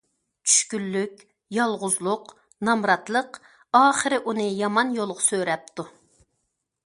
چۈشكۈنلۈك، يالغۇزلۇق، نامراتلىق ئاخىرى ئۇنى يامان يولغا سۆرەپتۇ.